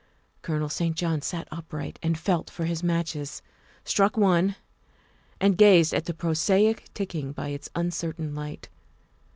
Colonel St. John sat upright and felt for his matches, struck one, and gazed at the prosaic ticking by its uncer tain light.